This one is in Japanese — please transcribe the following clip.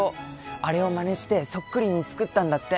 あれをまねしてそっくりに造ったんだって。